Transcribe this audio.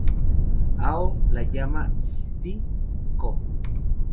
Ao la llama "Sty-Ko".